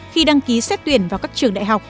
khi đăng ký xét tuyển vào các trường đại học